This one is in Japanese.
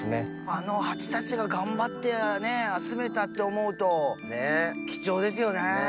あのハチたちが頑張って集めたって思うと貴重ですよね。ねぇ。